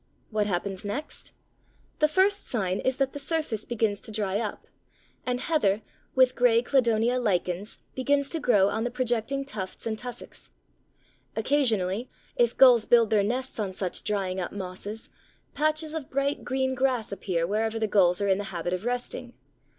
What happens next? The first sign is that the surface begins to dry up, and Heather, with grey Cladonia lichens, begins to grow on the projecting tufts and tussocks. Occasionally, if gulls build their nests on such drying up mosses, patches of bright green grass appear wherever the gulls are in the habit of resting.